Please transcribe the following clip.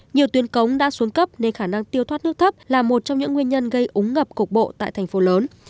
nhiều tuyến cống đã xuống cấp nên khả năng tiêu thoát nước thấp là một trong những nguyên nhân gây úng ngập cục bộ tại thành phố lớn